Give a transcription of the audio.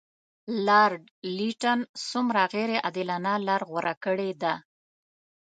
لارډ لیټن څومره غیر عادلانه لار غوره کړې ده.